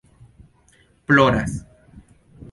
ploras